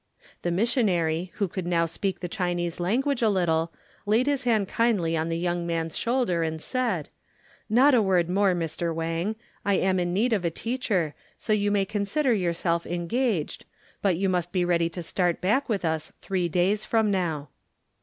The missionary, who could now speak the Chinese language a little, laid Ids hand kindly on the young man's shoulder and said: "Not a word more, Mr. Wang. I am in need of a teacher so you may consider yourself engaged, but you must be ready to start back with us three days from now."